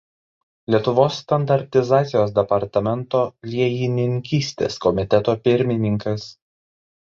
Lietuvos standartizacijos departamento Liejininkystės komiteto pirmininkas.